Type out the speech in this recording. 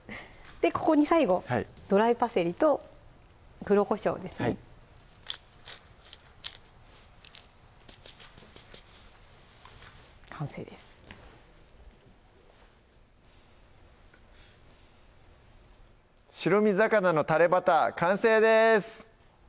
ここに最後ドライパセリと黒こしょうですね完成です「白身魚のたれバター」完成です